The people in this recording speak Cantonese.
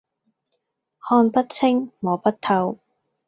看不清、摸不透